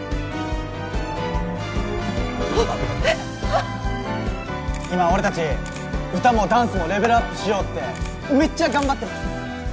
はっ今俺達歌もダンスもレベルアップしようってメッチャ頑張ってます